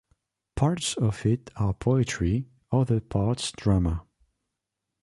Parts of it are poetry, other parts drama.